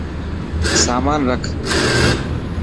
سامان رک.